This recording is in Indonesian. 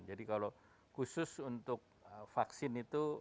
jadi kalau khusus untuk vaksin itu